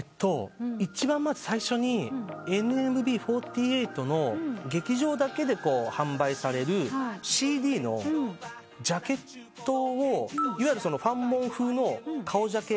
一番最初にＮＭＢ４８の劇場だけで販売されるＣＤのジャケットをファンモン風の顔ジャケ。